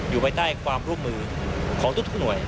อยู่ภายใต้ความร่วมมือของทุกหน่วย